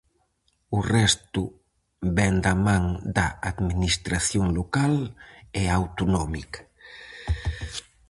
O resto vén da man da Administración local e a autonómica.